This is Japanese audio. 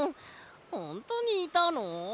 ほんとにいたの？